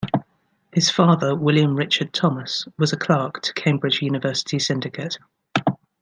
His father William Richard Thomas was a clerk to Cambridge University syndicate.